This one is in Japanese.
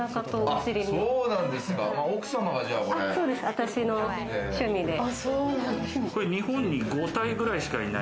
私の趣味で。